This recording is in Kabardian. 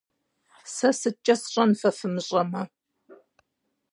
- Сэ сыткӀэ сщӀэн, фэ фымыщӀэмэ?